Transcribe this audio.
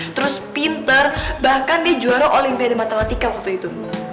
terus pinter bahkan dia juara olimpiade matematika waktu itu